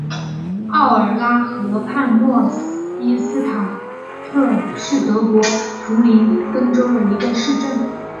奥尔拉河畔诺伊斯塔特是德国图林根州的一个市镇。